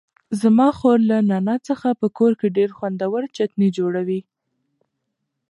زما خور له نعناع څخه په کور کې ډېر خوندور چتني جوړوي.